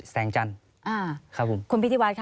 แสงจันทร์ครับผม